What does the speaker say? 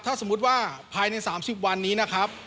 ถ้าสมมุติว่าภายใน๓๐วันนี้นะครับ